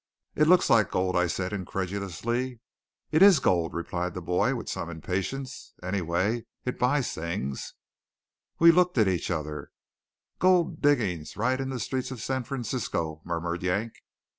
"It looks like gold," said I, incredulously. "It is gold," replied the boy with some impatience. "Anyway, it buys things." We looked at each other. "Gold diggings right in the streets of San Francisco," murmured Yank.